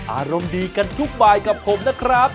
อารมณ์ดีกันทุกบายกับผมนะครับ